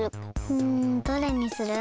うんどれにする？